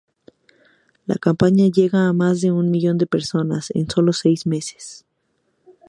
La campaña llega a más de un millón de personas en sólo seis meses.